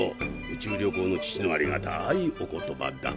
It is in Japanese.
宇宙旅行の父のありがたいお言葉だ。